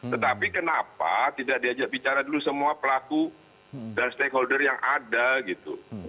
tetapi kenapa tidak diajak bicara dulu semua pelaku dan stakeholder yang ada gitu